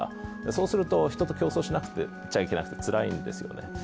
そうすると人と競争しなくちゃいけなくてつらいんですよね。